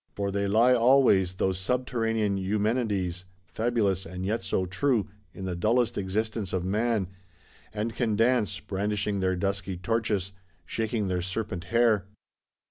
For they lie always, those subterranean Eumenides (fabulous and yet so true), in the dullest existence of man;—and can dance, brandishing their dusky torches, shaking their serpent hair.